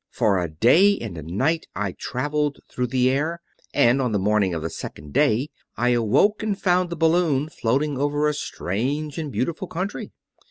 For a day and a night I traveled through the air, and on the morning of the second day I awoke and found the balloon floating over a strange and beautiful country.